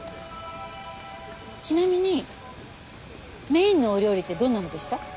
ちなみにメインのお料理ってどんなのでした？